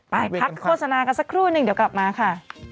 ไปพักโฆษณากันสักครู่หนึ่งเดี๋ยวกลับมาค่ะ